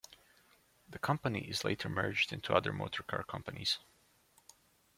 The company is later merged in other motor car companies.